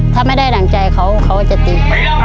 ถ้าไม่ได้ดั่งใจเขาเขาจะตีเขา